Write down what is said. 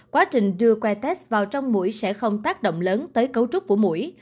quá trình đưa que test vào trong mũi sẽ không tác động lớn tới cấu trúc của mũi